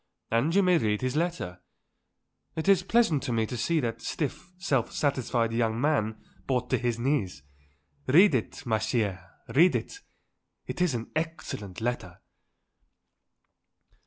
"And you may read his letter. It is pleasant to me to see that stiff, self satisfied young man brought to his knees. Read it, ma chère, read it. It is an excellent letter."